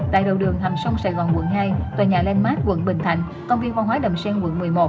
tại đầu đường hầm sông sài gòn quận hai tòa nhà landmark quận bình thạnh công viên văn hóa đầm sen quận một mươi một